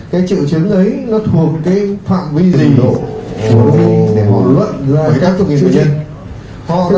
cái triệu chứng ấy nó thuộc cái phạm vi rình độ